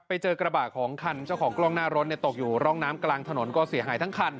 ไปเจอกระบะของคันเจ้าของกล้องหน้ารถตกอยู่ร่องน้ำกลางถนนก็เสียหายทั้งคัน